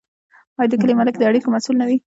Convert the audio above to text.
آیا د کلي ملک د اړیکو مسوول نه وي؟